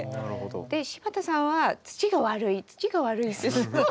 で柴田さんは「土が悪い土が悪い」ってずっと。